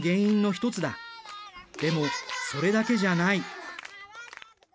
でもそれだけじゃない。